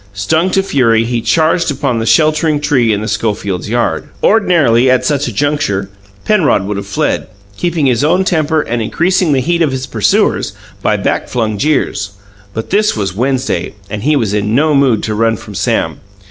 Stung to fury, he charged upon the sheltering tree in the Schofields' yard. Ordinarily, at such a juncture, Penrod would have fled, keeping his own temper and increasing the heat of his pursuer's by back flung jeers. But this was Wednesday, and he was in no mood to run from Sam.